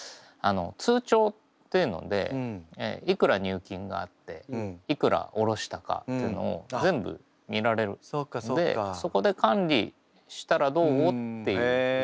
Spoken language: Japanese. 通帳っていうのでいくら入金があっていくらおろしたかっていうのを全部見られるのでそこで管理したらどうっていう。